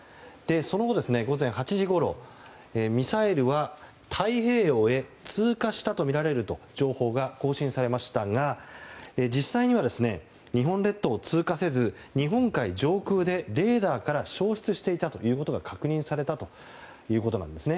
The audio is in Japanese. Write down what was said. そして午前８時ごろ、ミサイルは太平洋へ通過したとみられると情報が更新されましたが実際には日本列島を通過せず日本海上空でレーダーから消失していたことが確認されたということです。